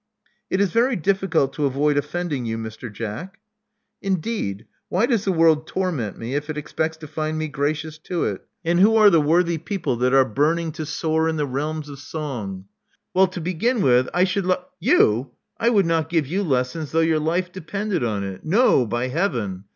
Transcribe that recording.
It is very difficult to avoid offending you, Mr. Jack." *' Indeed! Why does the world torment me, if it expects to find me gracious to it? And who are the Love Among the Artists 97 worthy people that are burning to soar in the realms of song?" Well, to begin with. I should 1 " *'You! I would not give you lessons though your life depended on it. No, by Heaven!